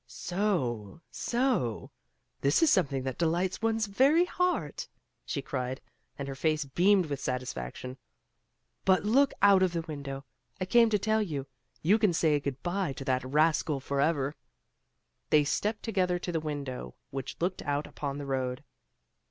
"So! So! this is something that delights one's very heart!" she cried, and her face beamed with satisfaction. "But look out of the window! I came to tell you! You can say good bye to that rascal forever." They stepped together to the window which looked out upon the road.